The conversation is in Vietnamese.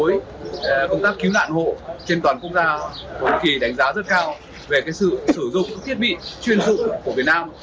với công tác cứu nạn hộ trên toàn quốc gia thổ nhĩ kỳ đánh giá rất cao về sự sử dụng thiết bị chuyên dụng của việt nam